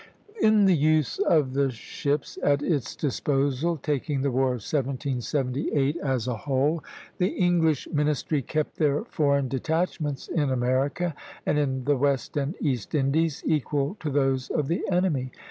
In the use of the ships at its disposal, taking the war of 1778 as a whole, the English ministry kept their foreign detachments in America, and in the West and East Indies, equal to those of the enemy.